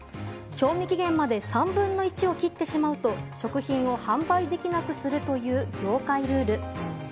賞味期限まで３分の１を切ってしまうと食品を販売できなくするという業界ルール。